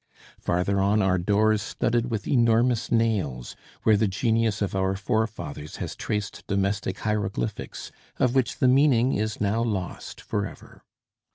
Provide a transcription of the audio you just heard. Farther on are doors studded with enormous nails, where the genius of our forefathers has traced domestic hieroglyphics, of which the meaning is now lost forever.